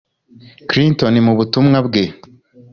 Clinton mu butumwa bwe